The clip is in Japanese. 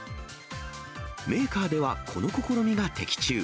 メーカーでは、この試みが的中。